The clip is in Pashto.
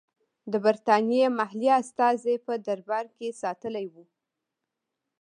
د برټانیې محلي استازی په دربار کې ساتلی وو.